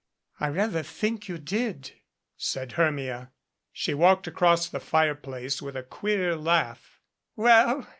"I rather think you did," said Hermia. She walked across to the fireplace with a queer laugh. "Well